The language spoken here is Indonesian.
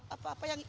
apa apa yang dikira